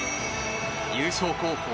優勝候補